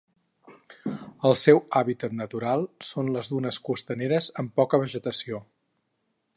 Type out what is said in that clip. El seu hàbitat natural són les dunes costaneres amb poca vegetació.